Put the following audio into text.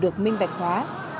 đều được minh bạch hóa